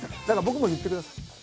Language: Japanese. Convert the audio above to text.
だから僕にも言ってください。